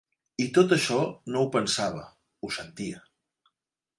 I tot això no ho pensava, ho sentia